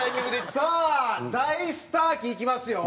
さあ大スター期いきますよ。